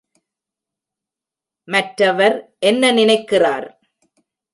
மற்றவர் என்ன நினைக்கிறார்?